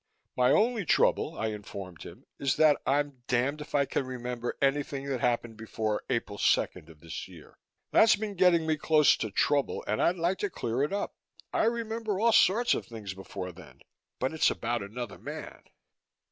"My only trouble," I informed him, "is that I'm damned if I can remember anything that happened before April second of this year. That's been getting me close to trouble and I'd like to clear it up. I remember all sorts of things before then, but it's about another man."